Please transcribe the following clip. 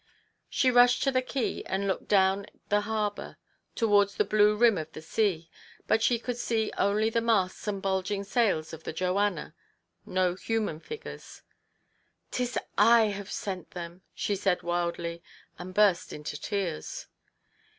She rushed to the quay, and looked down the harbour towards the blue rim of the sea, but she could only see the masts and bulging sails of the Joanna ; no human figures. "'Tis I have sent them !" she said wildly, and burst into tears.